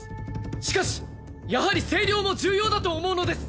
しかしやはり声量も重要だと思うのです